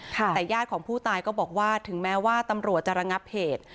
แต่ญาติของผู้ตายก็บอกว่าถึงแม้ว่าตำรวจจะระงับเหตุ